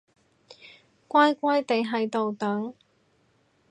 乖乖哋喺度等